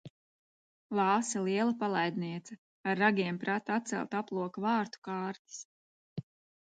Lāse liela palaidniece ar ragiem prata atcelt aploka vārtu kārtis.